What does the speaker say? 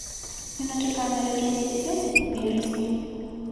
Яна чакае нараджэння дзіцяці ў верасні.